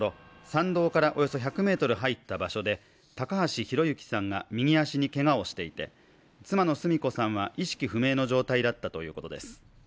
山道からおよそ１００メートル入った場所で高橋博幸さんが右足にけがをしていて妻の澄子さんは意識不明の状態だったということです